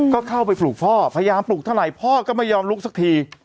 ก็เข้าไปปลูกพ่อพยายามปลูกเท่าไหร่พ่อก็ไม่ยอมลุกสักที